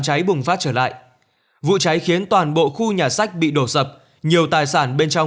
cháy bùng phát trở lại vụ cháy khiến toàn bộ khu nhà sách bị đổ sập nhiều tài sản bên trong